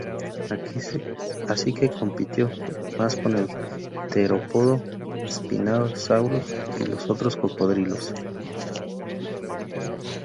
Así que compitió más con el terópodo "Spinosaurus" y los otros cocodrilos.